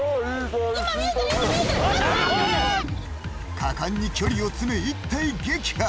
果敢に距離を詰め、１体撃破。